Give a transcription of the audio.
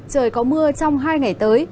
trời có mưa trong hai ngày tới